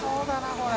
これ。